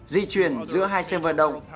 di chuyển giữa hai sân vật động